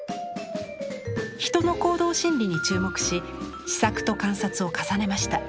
人の行動心理に注目し試作と観察を重ねました。